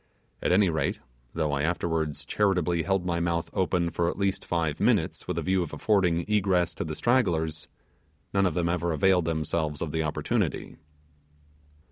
At any rate, though I afterwards charitably held my mouth open for at least five minutes, with a view of affording egress to the stragglers, none of them ever availed themselves of the opportunity.